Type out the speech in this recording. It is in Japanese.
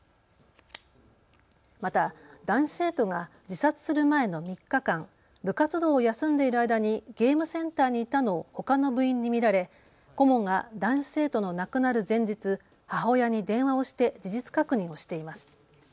また男子生徒が自殺する前の３日間、部活動を休んでいる間にゲームセンターにいたのをほかの部員に見られ顧問が男子生徒の亡くなる前日、母親に電話をして事実確認をしています。